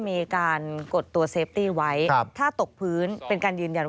เนี่ยเขาสอบให้ดูแบบนี้เลย